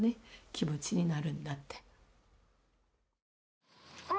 気持ちになるんだって。